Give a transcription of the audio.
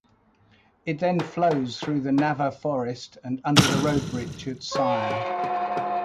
It then flows through the Naver Forest and under the road bridge at Syre.